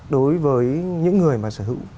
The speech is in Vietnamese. đối với những người mà sở hữu